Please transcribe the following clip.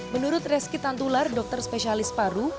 menurut reski tantular dokter spesialis paru